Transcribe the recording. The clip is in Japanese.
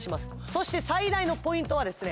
そして最大のポイントはですね